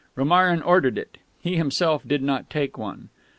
Romarin ordered it; he himself did not take one.